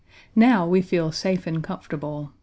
Now we feel safe and comfortable.